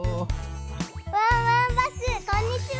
ワンワンバスこんにちは！